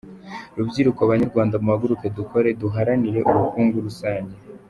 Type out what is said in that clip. Rubyiruko, banyarwanda muhaguruke dukore duharanira ubukungu rusange.